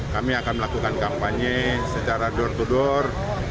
kami akan melakukan kampanye secara door to door